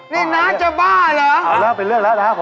นี่น้าจะบ้าเหรอ